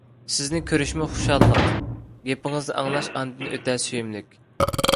سىزنى كۆرۈشمۇ خۇشاللىق، گېپىڭىزنى ئاڭلاش ئاندىن ئۆتە سۆيۈملۈك!